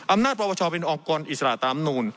อำนาจประบาชาเป็นองค์กรอิสระตามนูน